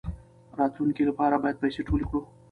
د راتلونکي لپاره باید پیسې ټولې کړو.